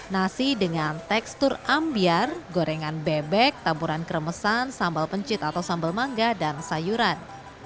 nasi dengan tekstur ambiar gorengan bebek taburan keremesan sambal pencit atau sambal mangga dan sayuran